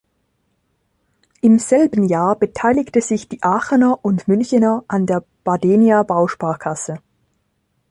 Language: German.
Im selben Jahr beteiligte sich die Aachener und Münchener an der Badenia Bausparkasse.